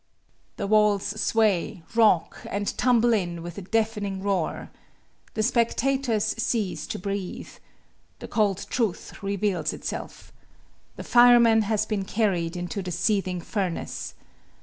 The walls sway, rock, and tumble in with a deafening roar. The spectators cease to breathe. The cold truth reveals itself. The fireman has been carried into the seething furnace.